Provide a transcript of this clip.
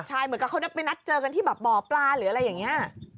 ใช่เหมือนกับเขาไปนัดเจอกันที่แบบบ่อปลาหรืออะไรอย่างนี้